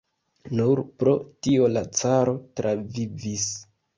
Nur pro tio la caro travivis.